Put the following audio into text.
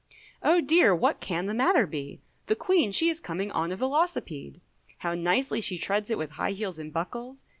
Oh dear, what can the matter be, The Queen she is coming on a velocipede, How nicely she treads it with high heels and buckles.